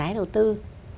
đối với các trường